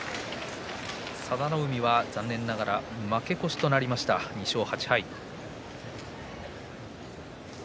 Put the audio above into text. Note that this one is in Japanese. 佐田の海は残念ながら負け越しとなりました２勝８敗。